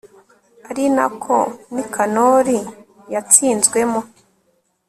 ari na ko nikanori yatsinzwemo